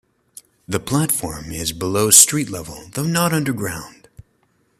The platform is below street level, though not underground.